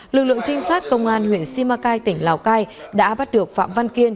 lực lượng trinh sát công an huyện simacai tỉnh lào cai đã bắt được phạm văn kiên